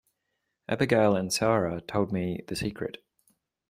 Abigail and Sara told me the secret.